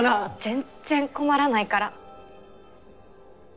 全然困らないから。